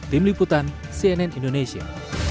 tim liputan cnn indonesia